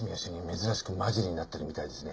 珍しくマジになってるみたいですね。